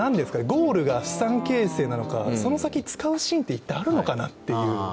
ゴールが資産形成なのかその先、使うシーンって一体あるのかなっていう。